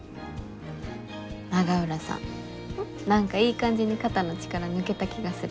永浦さん何かいい感じに肩の力抜けた気がする。